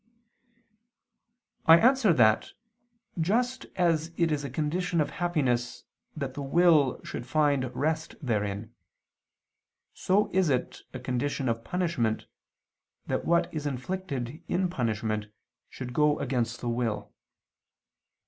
I answer that, Just as it is a condition of happiness that the will should find rest therein, so is it a condition of punishment, that what is inflicted in punishment, should go against the will.